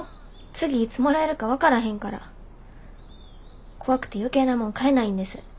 次いつもらえるか分からへんから怖くて余計なもん買えないんです。